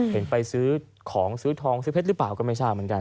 เห็นไปซื้อของซื้อทองซื้อเพชรหรือเปล่าก็ไม่ทราบเหมือนกัน